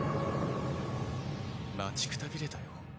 待ちくたびれたよ。